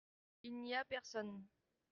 il n'y a personne.